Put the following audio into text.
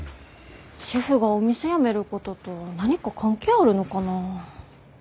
シェフがお店辞めることと何か関係あるのかな？